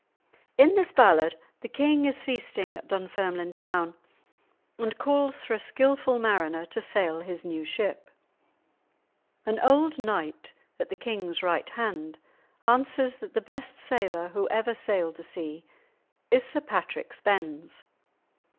In this ballad the king is feasting at Dunfermline town, and calls for a skilful mariner to sail his new ship. An old knight at the king's right hand answers that the best sailor who ever sailed the sea is Sir Patrick Spens.